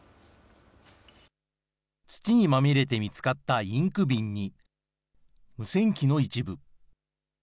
土にまみれて見つかったインク瓶に、無線機の一部。